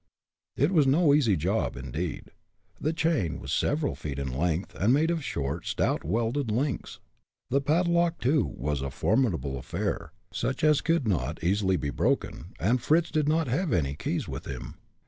It was no easy job, indeed. The chain was several feet in length, and made of short, stout welded links. The padlock, too, was a formidable affair, such as could not easily be broken, and Fritz did not have any keys with him.